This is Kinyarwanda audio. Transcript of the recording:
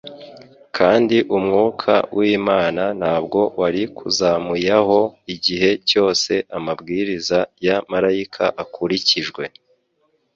Kandi Umwuka w'Imana ntabwo wari kuzamuyaho igihe cyose amabwiriza ya Malayika akurikijwe.